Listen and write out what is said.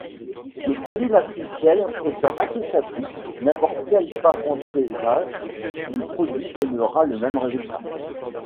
Le produit matriciel étant associatif, n'importe quel parenthésage du produit donnera le même résultat.